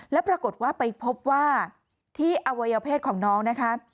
แล้วปรากฏว่าไปพบว่าที่อวัยวเพศของน้องนะคะ